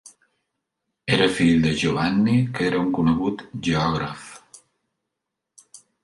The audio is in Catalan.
Era fill de Giovanni que era un conegut geògraf.